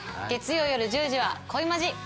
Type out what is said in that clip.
月曜夜１０時は「＃恋マジ」